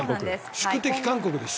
宿敵・韓国です。